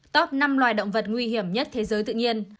top năm loài động vật nguy hiểm nhất thế giới tự nhiên